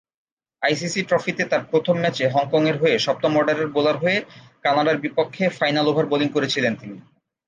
ICC ট্রফিতে তার প্রথম ম্যাচে হংকংয়ের হয়ে সপ্তম অর্ডারের বোলার হয়ে কানাডার বিপক্ষে ফাইনাল ওভার বোলিং করেছিলেন তিনি।